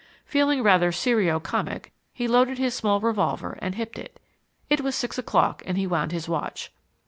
Feeling rather serio comic he loaded his small revolver and hipped it. It was six o'clock, and he wound his watch.